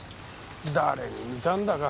誰に似たんだか。